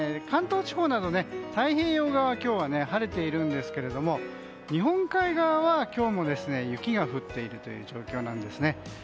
関東地方など太平洋側、今日は晴れているんですが日本海側は今日も雪が降っているという状況なんですね。